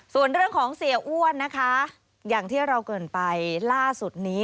ส่วนเรื่องของเสียอ้วนนะคะอย่างที่เราเกิดไปล่าสุดนี้